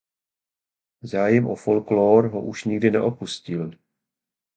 Zájem o folklór ho už nikdy neopustil.